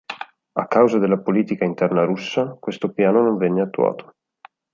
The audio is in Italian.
A causa della politica interna russa, questo piano non venne attuato.